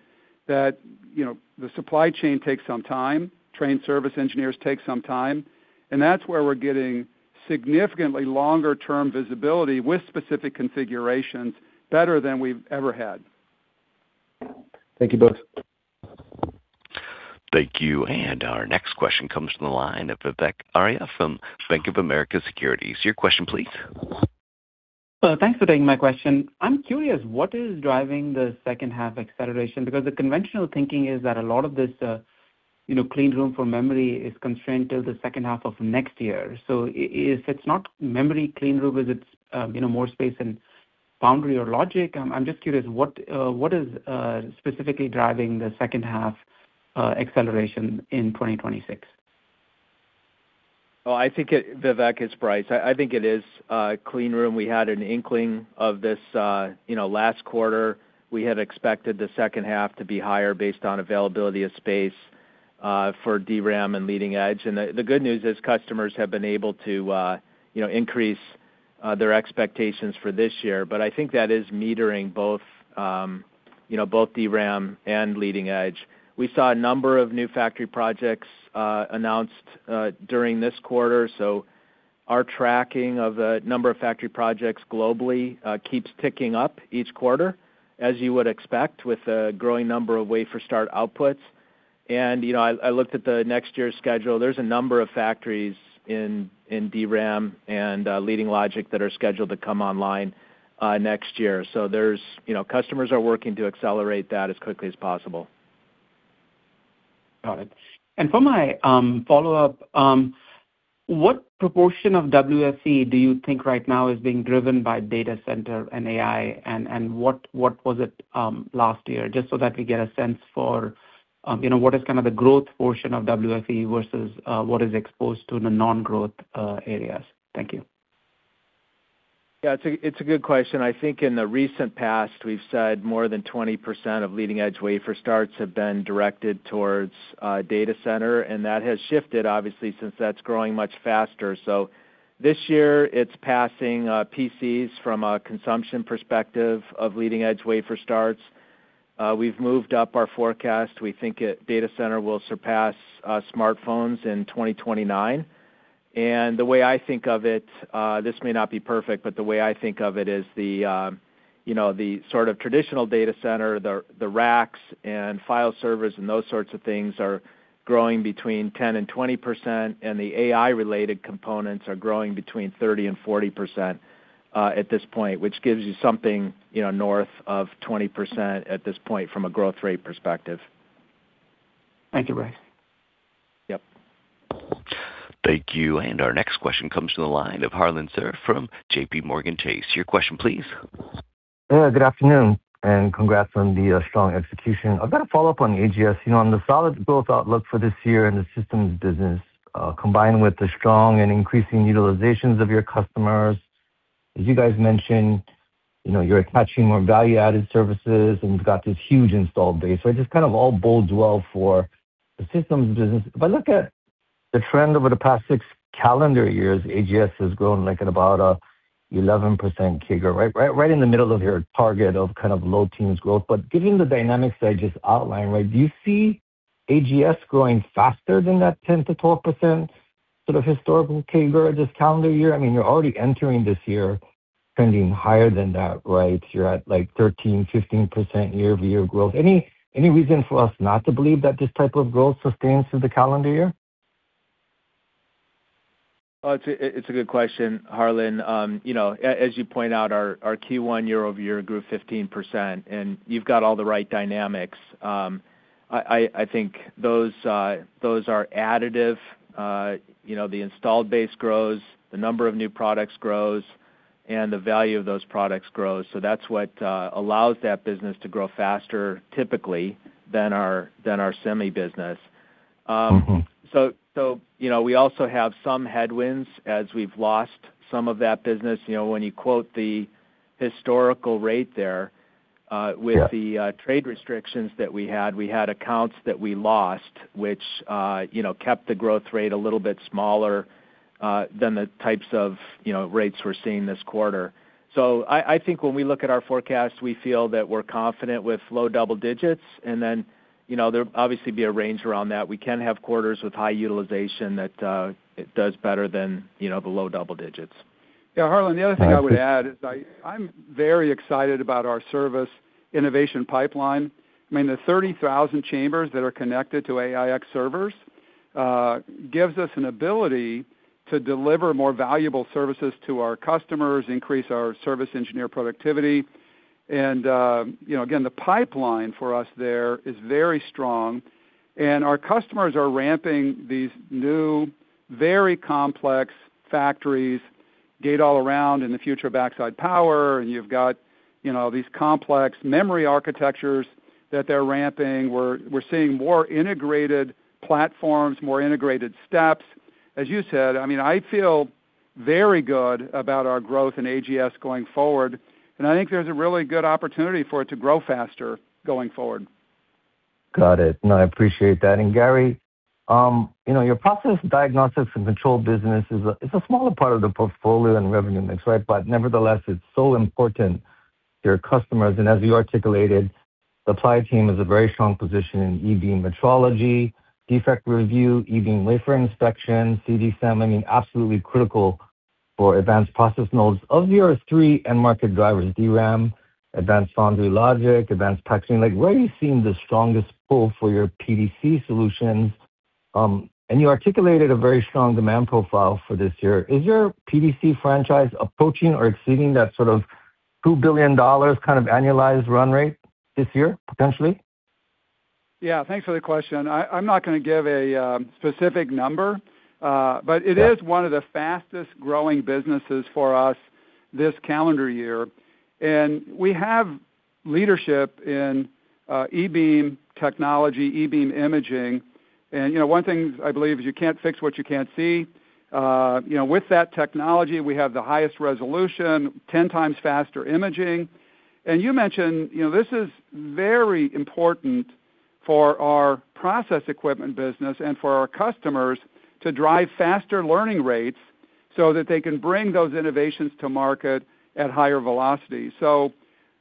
that, you know, the supply chain takes some time, trained service engineers take some time, and that's where we're getting significantly longer term visibility with specific configurations better than we've ever had. Thank you both. Thank you, and our next question comes from the line of Vivek Arya from Bank of America Securities. Your question, please. Well, thanks for taking my question. I'm curious, what is driving the second half acceleration? Because the conventional thinking is that a lot of this, you know, clean room for memory is constrained till the second half of next year. So if it's not memory clean room, is it, you know, more CapEx and foundry or logic? I'm just curious, what is specifically driving the second half acceleration in 2026? Well, I think it, Vivek, it's price. I, I think it is, clean room. We had an inkling of this, you know, last quarter. We had expected the second half to be higher based on availability of space, for DRAM and leading edge. And the, the good news is customers have been able to, you know, increase, their expectations for this year. But I think that is metering both, you know, both DRAM and leading edge. We saw a number of new factory projects, announced, during this quarter, so our tracking of the number of factory projects globally, keeps ticking up each quarter, as you would expect, with a growing number of wafer start outputs. And, you know, I, I looked at the next year's schedule. There's a number of factories in DRAM and leading logic that are scheduled to come online next year. So there's—you know, customers are working to accelerate that as quickly as possible. Got it. And for my follow-up, what proportion of WFE do you think right now is being driven by data center and AI, and what was it last year? Just so that we get a sense for, you know, what is kind of the growth portion of WFE versus what is exposed to the non-growth areas. Thank you. Yeah, it's a good question. I think in the recent past, we've said more than 20% of leading-edge wafer starts have been directed towards data center, and that has shifted, obviously, since that's growing much faster. So this year, it's passing PCs from a consumption perspective of leading-edge wafer starts. We've moved up our forecast. We think that data center will surpass smartphones in 2029. The way I think of it, this may not be perfect, but the way I think of it is the, you know, the sort of traditional data center, the racks and file servers and those sorts of things are growing between 10% and 20%, and the AI-related components are growing between 30% and 40%, at this point, which gives you something, you know, north of 20% at this point from a growth rate perspective. Thank you, Brice. Yep. Thank you, and our next question comes from the line of Harlan Sur from JPMorgan Chase. Your question, please. Yeah, good afternoon, and congrats on the strong execution. I've got a follow-up on the AGS. You know, on the solid growth outlook for this year and the Systems business combined with the strong and increasing utilizations of your customers, as you guys mentioned, you know, you're attaching more value-added services, and you've got this huge installed base. So it just kind of all bodes well for the Systems business. But look at the trend over the past six calendar years, AGS has grown, like, at about 11% CAGR, right, right, right in the middle of your target of kind of low teens growth. But given the dynamics I just outlined, right, do you see AGS growing faster than that 10%-12% sort of historical CAGR this calendar year? I mean, you're already entering this year, trending higher than that, right? You're at, like, 13%-15% year-over-year growth. Any reason for us not to believe that this type of growth sustains through the calendar year? Well, it's a good question, Harlan. You know, as you point out, our Q1 year-over-year grew 15%, and you've got all the right dynamics. I think those are additive. You know, the installed base grows, the number of new products grows, and the value of those products grows. So that's what allows that business to grow faster, typically, than our Semi business. Mm-hmm. So, you know, we also have some headwinds as we've lost some of that business. You know, when you quote the historical rate there. Yeah.... With the trade restrictions that we had, we had accounts that we lost, which, you know, kept the growth rate a little bit smaller than the types of, you know, rates we're seeing this quarter. So I think when we look at our forecast, we feel that we're confident with low double digits, and then, you know, there'll obviously be a range around that. We can have quarters with high utilization that it does better than, you know, the low double digits. Yeah, Harlan, the other thing I would add is I'm very excited about our service innovation pipeline. I mean, the 30,000 chambers that are connected to AIx servers gives us an ability to deliver more valuable services to our customers, increase our service engineer productivity. And you know, again, the pipeline for us there is very strong, and our customers are ramping these new, very complex factories, gate-all-around in the future of backside power, and you've got, you know, these complex memory architectures that they're ramping. We're seeing more integrated platforms, more integrated steps. As you said, I mean, I feel very good about our growth in AGS going forward, and I think there's a really good opportunity for it to grow faster going forward. Got it. No, I appreciate that. And Gary, you know, your Process Diagnostics and Control business is a, it's a smaller part of the portfolio and revenue mix, right? But nevertheless, it's so important... your customers, and as you articulated, the Applied team has a very strong position in e-beam metrology, defect review, e-beam wafer inspection, CD SEM, I mean, absolutely critical for advanced process nodes of your three end market drivers, DRAM, advanced foundry logic, advanced packaging. Like, where are you seeing the strongest pull for your PDC solutions? And you articulated a very strong demand profile for this year. Is your PDC franchise approaching or exceeding that sort of $2 billion kind of annualized run rate this year, potentially? Yeah, thanks for the question. I'm not gonna give a specific number, but it is one of the fastest growing businesses for us this calendar year. And we have leadership in e-beam technology, e-beam imaging, and, you know, one thing I believe is you can't fix what you can't see. You know, with that technology, we have the highest resolution, 10x faster imaging. And you mentioned, you know, this is very important for our process equipment business and for our customers to drive faster learning rates so that they can bring those innovations to market at higher velocity. So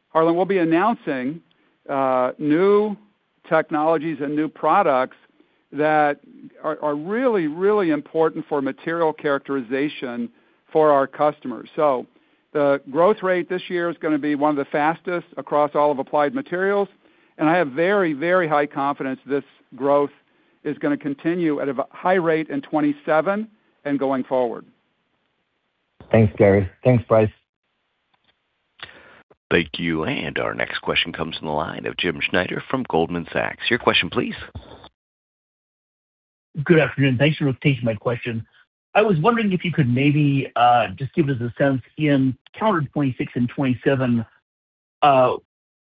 Harlan, we'll be announcing new technologies and new products that are really, really important for material characterization for our customers. The growth rate this year is gonna be one of the fastest across all of Applied Materials, and I have very, very high confidence this growth is gonna continue at a very high rate in 2027 and going forward. Thanks, Gary. Thanks, Brice. Thank you. Our next question comes from the line of Jim Schneider from Goldman Sachs. Your question, please. Good afternoon. Thanks for taking my question. I was wondering if you could maybe, just give us a sense, in calendar 2026 and 2027,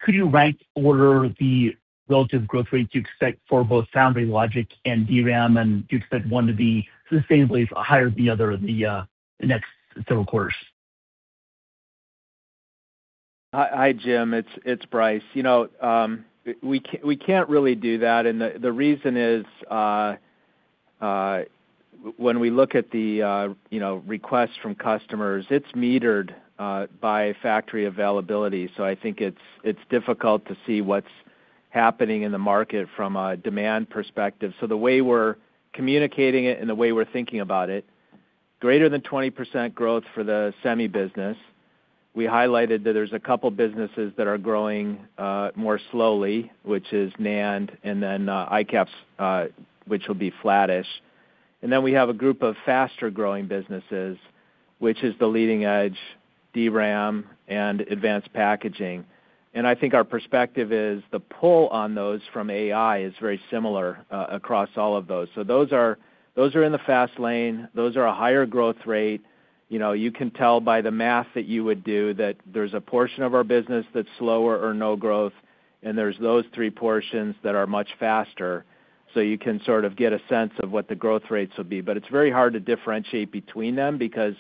could you rank order the relative growth rate you expect for both foundry logic and DRAM, and do you expect one to be sustainably higher than the other in the next several quarters? Hi, Jim. It's, it's Brice. You know, we can't really do that, and the, the reason is, when we look at the, you know, requests from customers, it's metered, by factory availability. So I think it's, it's difficult to see what's happening in the market from a demand perspective. So the way we're communicating it and the way we're thinking about it, greater than 20% growth for the Semi business. We highlighted that there's a couple businesses that are growing, more slowly, which is NAND, and then, ICAPS, which will be flattish. And then we have a group of faster-growing businesses, which is the leading edge, DRAM and advanced packaging. And I think our perspective is the pull on those from AI is very similar, across all of those. So those are, those are in the fast lane. Those are a higher growth rate. You know, you can tell by the math that you would do that there's a portion of our business that's slower or no growth, and there's those three portions that are much faster. So you can sort of get a sense of what the growth rates will be. But it's very hard to differentiate between them because,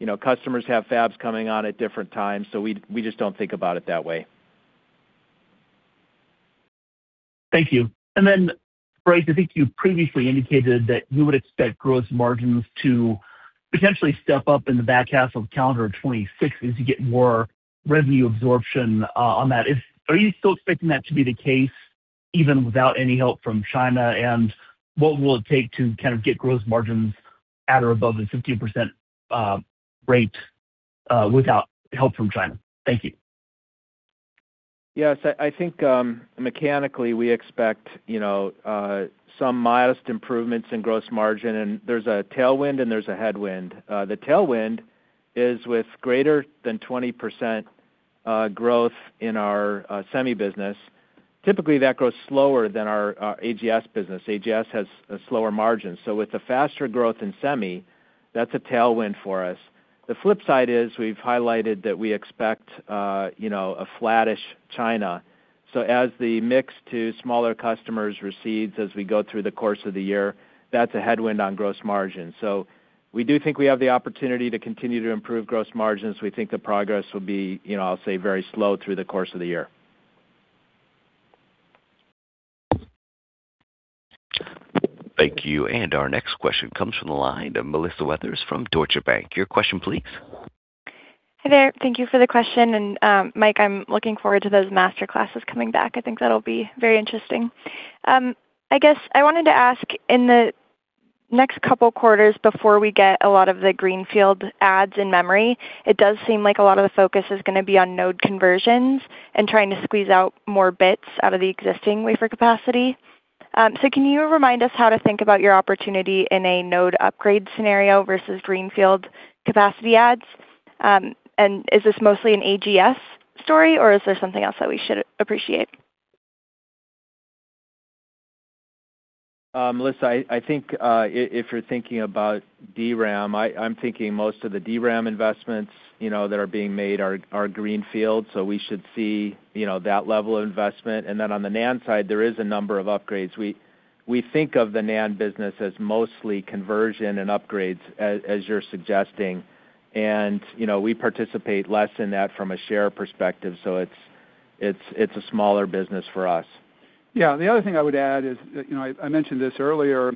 you know, customers have fabs coming on at different times, so we, we just don't think about it that way. Thank you. Then, Brice, I think you previously indicated that you would expect gross margins to potentially step up in the back half of calendar 2026 as you get more revenue absorption on that. Are you still expecting that to be the case, even without any help from China? And what will it take to kind of get gross margins at or above the 15% rate without help from China? Thank you. Yes, I, I think, mechanically, we expect, you know, some modest improvements in gross margin, and there's a tailwind and there's a headwind. The tailwind is with greater than 20%, growth in our, Semi business. Typically, that grows slower than our AGS business. AGS has a slower margin. So with the faster growth in Semi, that's a tailwind for us. The flip side is, we've highlighted that we expect, you know, a flattish China. So as the mix to smaller customers recedes as we go through the course of the year, that's a headwind on gross margin. So we do think we have the opportunity to continue to improve gross margins. We think the progress will be, you know, I'll say, very slow through the course of the year. Thank you. Our next question comes from the line of Melissa Weathers from Deutsche Bank. Your question, please. Hi, there. Thank you for the question, and, Mike, I'm looking forward to those Master Classes coming back. I think that'll be very interesting. I guess I wanted to ask, in the next couple quarters before we get a lot of the greenfield adds in memory, it does seem like a lot of the focus is gonna be on node conversions and trying to squeeze out more bits out of the existing wafer capacity. So can you remind us how to think about your opportunity in a node upgrade scenario versus greenfield capacity adds? And is this mostly an AGS story, or is there something else that we should appreciate? Melissa, I think if you're thinking about DRAM, I'm thinking most of the DRAM investments, you know, that are being made are greenfield, so we should see, you know, that level of investment. And then on the NAND side, there is a number of upgrades. We think of the NAND business as mostly conversion and upgrades, as you're suggesting, and, you know, we participate less in that from a share perspective, so it's a smaller business for us. Yeah, the other thing I would add is, you know, I mentioned this earlier,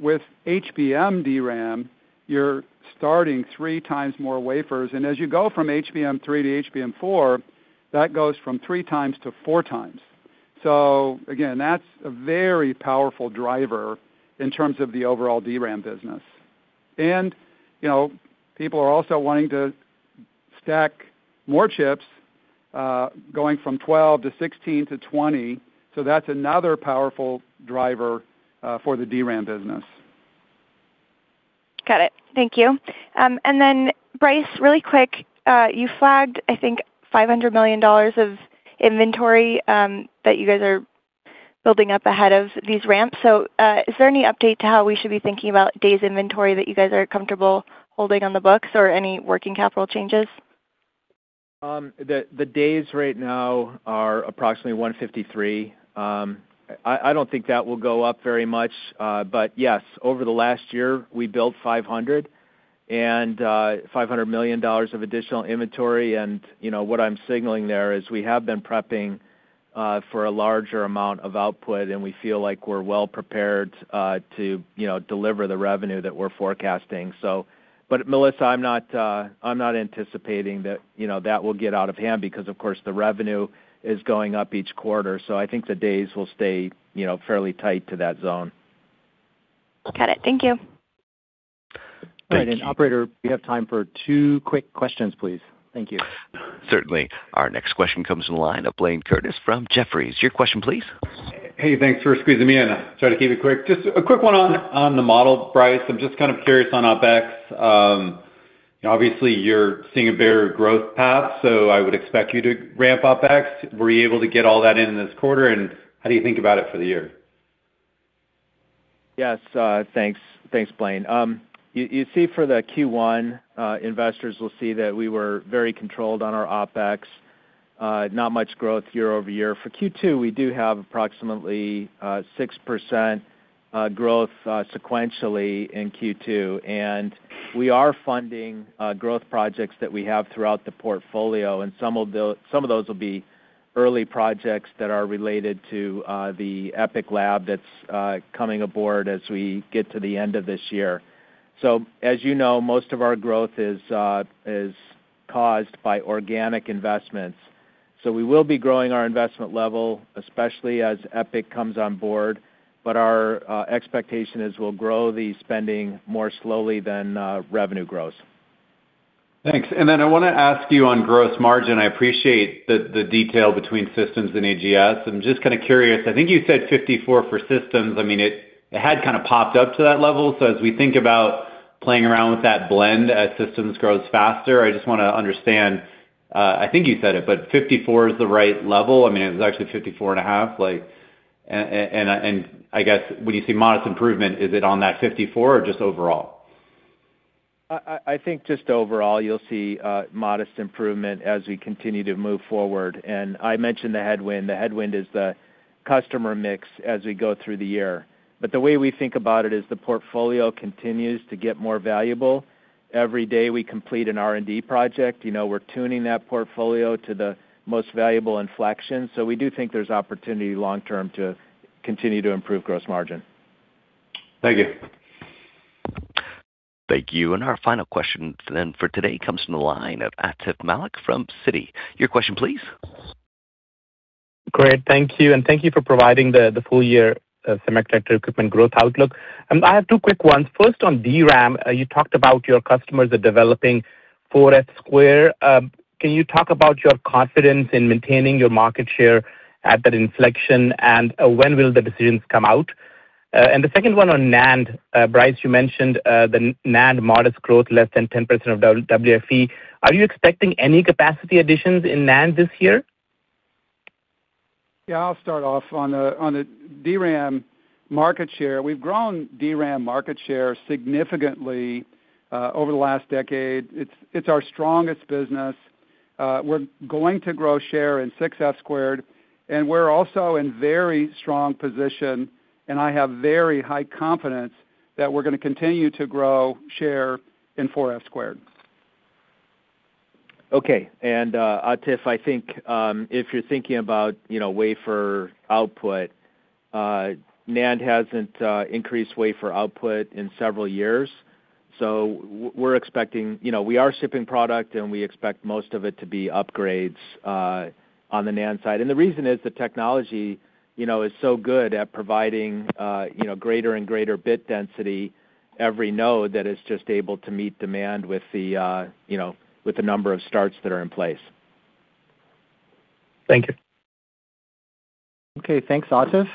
with HBM DRAM, you're starting 3x more wafers, and as you go from HBM3 to HBM4, that goes from 3x to 4x. So again, that's a very powerful driver in terms of the overall DRAM business. And, you know, people are also wanting to stack more chips, going from 12 to 16 to 20, so that's another powerful driver, for the DRAM business. Got it. Thank you. And then Brice, really quick, you flagged, I think, $500 million of inventory that you guys are building up ahead of these ramps. So, is there any update to how we should be thinking about days inventory that you guys are comfortable holding on the books or any working capital changes? The days right now are approximately 153. I don't think that will go up very much, but yes, over the last year, we built $500 million of additional inventory. And you know, what I'm signaling there is we have been prepping for a larger amount of output, and we feel like we're well prepared to, you know, deliver the revenue that we're forecasting. So. But Melissa, I'm not anticipating that, you know, that will get out of hand because, of course, the revenue is going up each quarter, so I think the days will stay, you know, fairly tight to that zone. Got it. Thank you. Thank you. All right, and Operator, we have time for two quick questions, please. Thank you. Certainly. Our next question comes from the line of Blayne Curtis from Jefferies. Your question, please. Hey, thanks for squeezing me in. I'll try to keep it quick. Just a quick one on the model, Brice. I'm just kind of curious on OpEx. Obviously, you're seeing a better growth path, so I would expect you to ramp OpEx. Were you able to get all that in this quarter, and how do you think about it for the year? Yes, thanks. Thanks, Blayne. You see for the Q1, investors will see that we were very controlled on our OpEx, not much growth year-over-year. For Q2, we do have approximately 6% growth sequentially in Q2, and we are funding growth projects that we have throughout the portfolio, and some of those will be early projects that are related to the EPIC lab that's coming aboard as we get to the end of this year. So as you know, most of our growth is caused by organic investments. So we will be growing our investment level, especially as EPIC comes on board, but our expectation is we'll grow the spending more slowly than revenue grows. Thanks. And then I want to ask you on gross margin. I appreciate the detail between Systems and AGS. I'm just kind of curious. I think you said 54% for Systems. I mean, it had kind of popped up to that level. So as we think about playing around with that blend as Systems grows faster, I just wanna understand. I think you said it, but 54% is the right level. I mean, it was actually 54.5%, like... And I guess when you see modest improvement, is it on that 54% or just overall? I think just overall, you'll see modest improvement as we continue to move forward. And I mentioned the headwind. The headwind is the customer mix as we go through the year. But the way we think about it is the portfolio continues to get more valuable. Every day, we complete an R&D project, you know, we're tuning that portfolio to the most valuable inflection. So we do think there's opportunity long term to continue to improve gross margin. Thank you. Thank you. Our final question then for today comes from the line of Atif Malik from Citi. Your question, please. Great, thank you, and thank you for providing the full year semiconductor equipment growth outlook. I have two quick ones. First, on DRAM, you talked about your customers are developing 4F². Can you talk about your confidence in maintaining your market share at that inflection, and when will the decisions come out? And the second one on NAND. Brice, you mentioned the NAND modest growth, less than 10% of WFE. Are you expecting any capacity additions in NAND this year? Yeah, I'll start off. On the DRAM market share, we've grown DRAM market share significantly over the last decade. It's our strongest business. We're going to grow share in 6F², and we're also in very strong position, and I have very high confidence that we're gonna continue to grow share in 4F². Okay. And, Atif, I think, if you're thinking about, you know, wafer output, NAND hasn't increased wafer output in several years, so we're expecting... You know, we are shipping product, and we expect most of it to be upgrades, on the NAND side. And the reason is, the technology, you know, is so good at providing, you know, greater and greater bit density every node that is just able to meet demand with the, you know, with the number of starts that are in place. Thank you. Okay. Thanks, Atif.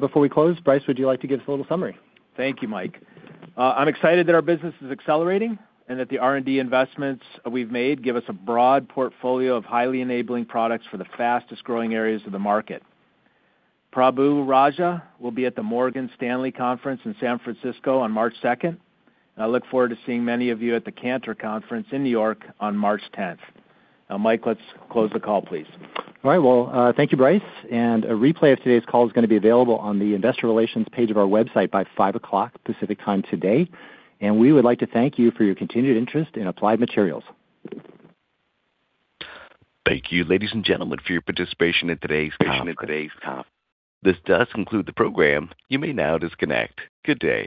Before we close, Brice, would you like to give us a little summary? Thank you, Mike. I'm excited that our business is accelerating and that the R&D investments we've made give us a broad portfolio of highly enabling products for the fastest-growing areas of the market. Prabu Raja will be at the Morgan Stanley Conference in San Francisco on March 2nd. I look forward to seeing many of you at the Cantor Fitzgerald Conference in New York on March 10th. Now, Mike, let's close the call, please. All right. Well, thank you, Brice, and a replay of today's call is gonna be available on the investor relations page of our website by 5:00 P.M. Pacific Time today. We would like to thank you for your continued interest in Applied Materials. Thank you, ladies and gentlemen, for your participation in today's conference. This does conclude the program. You may now disconnect. Good day.